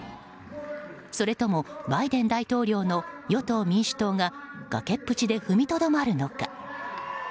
それとも、バイデン大統領の与党・民主党が崖っぷちで踏みとどまるのか。